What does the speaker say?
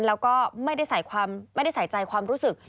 แล้วก็ไม่ได้ใส่ใจความรู้สึก